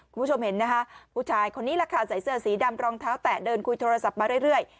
คุณผู้ชมเห็นนะคะผู้ชายคนนี้แหละค่ะใส่เสื้อสีดำรองเท้าแตะเดินคุยโทรศัพท์มาเรื่อย